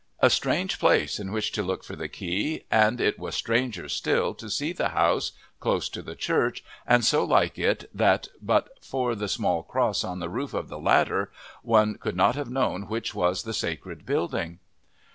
A strange place in which to look for the key, and it was stranger still to see the house, close to the church, and so like it that but for the small cross on the roof of the latter one could not have known which was the sacred building.